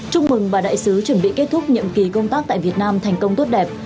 chúc mừng bà đại sứ chuẩn bị kết thúc nhiệm kỳ công tác tại việt nam thành công tốt đẹp